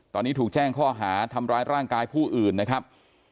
ตอนนี้ถูกแจ้งข้อหาทำร้ายร่างกายผู้อื่นนะครับ